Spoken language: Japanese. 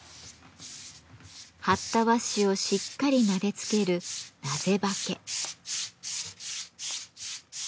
貼った和紙をしっかりなでつける「なぜ刷毛」。